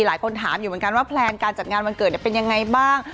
หลายคนถามอยู่เหมือนกันว่าแพลนการจัดงานวันเกิดเป็นยังไงบ้าง